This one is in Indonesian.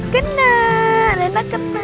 kena rena kena